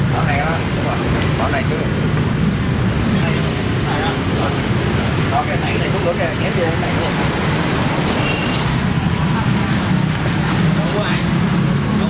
bỏ ở đây đó bỏ ở đây chú